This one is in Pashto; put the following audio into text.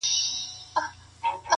• پر آسمان یې کرشمې د ده لیدلای -